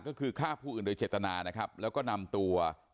ก็คือฆ่าผู้อื่นโดยเจตนานะครับแล้วก็นำตัว